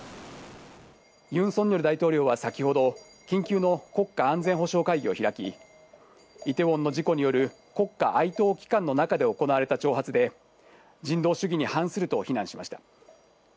ユン・ソンニョル大統領は先ほど緊急の国家安全保障会議を開き、イテウォンの事故による国家哀悼期間の中で行われた挑発で、人道主義に反すると非難しました。